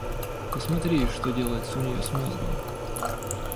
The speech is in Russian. — Посмотри, что делается у нее с мозгом.